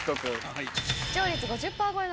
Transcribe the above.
はい。